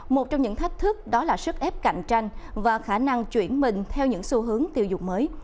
một trong những thách thức đó là sức ép cạnh tranh và khả năng chuyển mình theo những xu hướng tiêu dục mới